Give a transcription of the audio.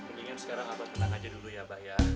mendingan sekarang abah tenang aja dulu ya abah ya